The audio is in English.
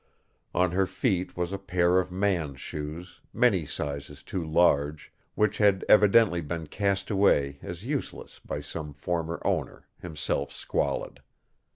On her feet was a pair of man's shoes, many sizes too large, which had evidently been cast away as useless by some former owner, himself squalid.